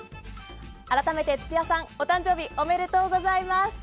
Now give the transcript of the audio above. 改めて、土屋さんお誕生日おめでとうございます。